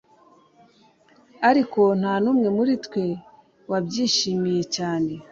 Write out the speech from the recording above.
Ariko nta numwe muri twe wabyishimiye cyane